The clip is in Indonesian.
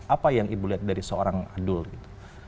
apa yang ibu lihat dari seorang adult